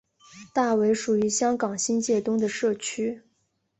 大围属于香港新界东的社区。